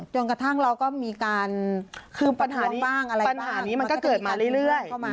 จนกระทั่งเราก็มีการคือปัญหานี้ปัญหานี้มันก็เกิดมาเรื่อย